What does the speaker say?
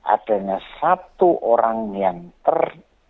adanya satu orang yang ter